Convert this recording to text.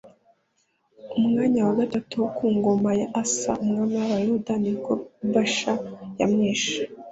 Mu mwaka wa gatatu wo ku ngoma ya Asa umwami w’Abayuda ni bwo Bāsha yamwishe